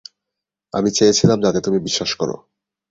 আমি চেয়েছিলাম যাতে তুমি বিশ্বাস করো।